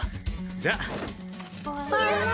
じゃあ！